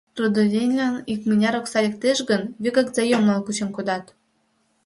Трудоденьлан икмыняр окса лектеш гын, вигак заёмлан кучен кодат.